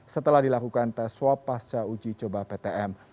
setelah dilakukan tes swab pasca uji coba ptm